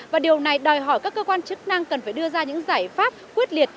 và điều này đòi hỏi các cơ quan chức năng cần phải đưa ra những giải pháp quyết liệt